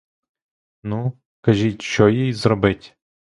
Ну, кажіть, що їй зробить?